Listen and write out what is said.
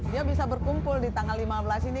dia bisa berkumpul di tanggal lima belas ini